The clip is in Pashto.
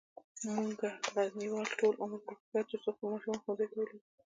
مونږه غزنیوال ټول عمر کوښښ کووه ترڅوخپل ماشومان ښوونځیوته ولیږو